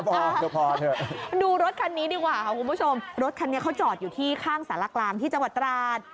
มาดูรถคันนี้ดีกว่าค่ะคุณผู้ชมรถคันนี้เขาจอดอยู่ที่ข้างสารกลางที่จังหวัดตราด